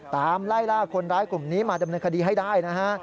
ตามไล่ล่าคนร้ายกลุ่มนี้มาดำเนินคดีให้ได้นะฮะ